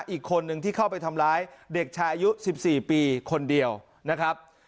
อีกคนนึงที่เข้าไปทำร้ายเด็กชายอายุ๑๔ปีคนเดียวนะครับ